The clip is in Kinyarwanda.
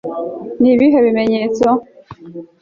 ni ibihe bimenyetso